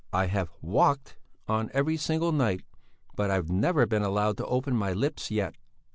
"I have walked on every single night, but I've never been allowed to open my lips yet.